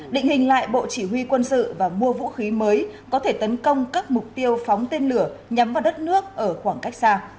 định hình lại bộ chỉ huy quân sự và mua vũ khí mới có thể tấn công các mục tiêu phóng tên lửa nhắm vào đất nước ở khoảng cách xa